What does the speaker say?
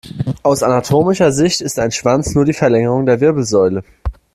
Aus anatomischer Sicht ist ein Schwanz nur die Verlängerung der Wirbelsäule.